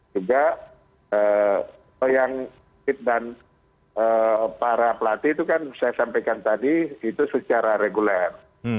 juga yang fit dan para pelatih itu kan saya sampaikan tadi itu secara reguler